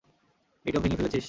এইটাও ভেঙ্গে ফেলেছিস?